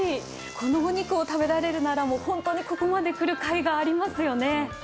このお肉を食べられるなら、本当にここまで来るかいがありますよね。